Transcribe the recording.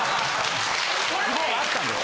希望あったんです。